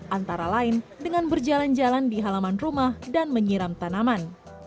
antara lain dengan berjalan jalan di halaman rumah dan menyiram tanaman